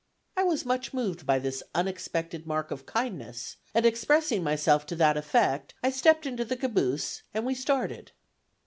I was much moved by this unexpected mark of kindness, and expressing myself to that effect, I stepped into the caboose, and we started.